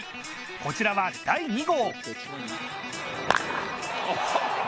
こちらは第２号。